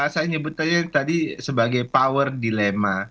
saya nyebut aja tadi sebagai power dilema